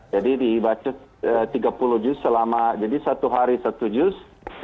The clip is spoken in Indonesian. jadi dibaca tiga puluh juz selama jadi satu hari satu juz